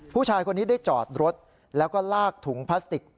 ผู้ชายคนนี้ได้จอดรถแล้วก็ลากถุงพลาสติก